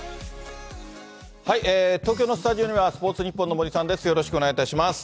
東京のスタジオには、スポーツニッポンの森さんです。